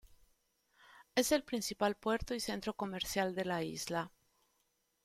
Es el principal puerto y centro comercial de la isla.